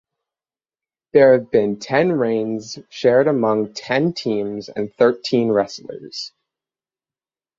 There have been ten reigns shared among ten teams and thirteen wrestlers.